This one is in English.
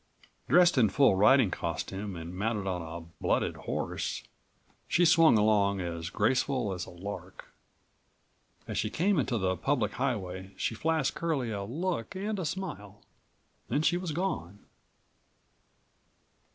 Dressed in full riding costume and mounted on a blooded horse, she swung along as graceful as a lark. As she came into the public highway she flashed Curlie a look and a smile. Then she was gone.